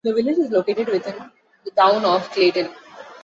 The village is located within the Town of Clayton.